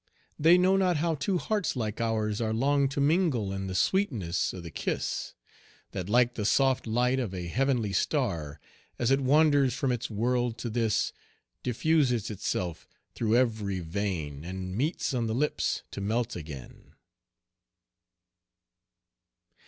They know not how two hearts like ours are Long to mingle i' the sweetness o' the kiss, That like the soft light of a heavenly star, As it wanders from its world to this, Diffuses itself through ev'ry vein And meets on the lips to melt again."